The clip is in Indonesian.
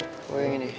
ini senang berapa ini